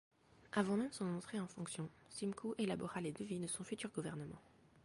Avant même son entrée en fonction, Simcoe élabora les devis de son futur gouvernent.